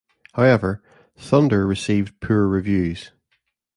However, "Thunder" received poor reviews.